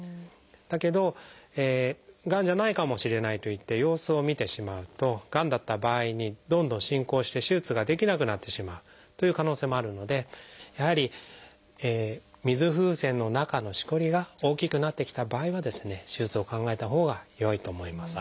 だけどがんじゃないかもしれないといって様子を見てしまうとがんだった場合にどんどん進行して手術ができなくなってしまうという可能性もあるのでやはり水風船の中のしこりが大きくなってきた場合はですね手術を考えたほうがよいと思います。